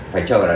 phải chờ là